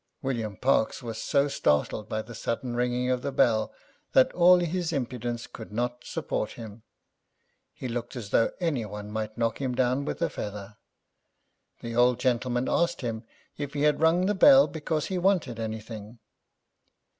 William Parkes was so startled by the sudden ringing of the bell, that all his[Pg 40] impudence could not support him: he looked as though any one might knock him down with a feather. The old gentleman asked him if he had rung the bell because he wanted any thing?